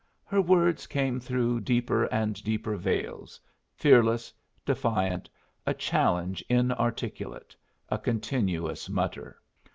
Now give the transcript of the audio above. Her words came through deeper and deeper veils, fearless, defiant, a challenge inarticulate, a continuous mutter.